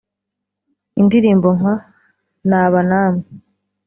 Indirimbo nka ‘Naba Namwe